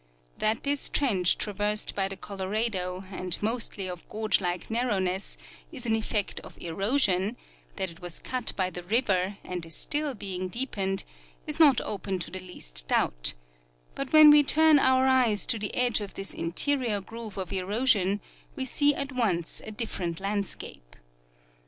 That this trench traversed by the Colorado and mostly of gorge like narrowness is an effect of erosion, that it was cut by the river and is still being deepened, is not open to the least doubt ; but when we turn our eyes to the edge of this interior groove of erosion we see at once a different landscape.